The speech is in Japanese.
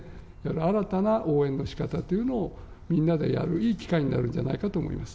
新たな応援のしかたというのを、みんなでやるいい機会になるんじゃないかと思います。